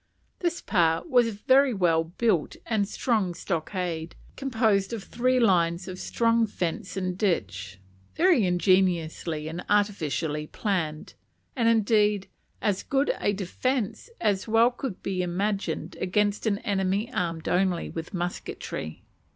This pa was a very well built and strong stockade, composed of three lines of strong fence and ditch, very ingeniously and artificially planned; and, indeed, as good a defence as well could be imagined against an enemy armed only with musketry.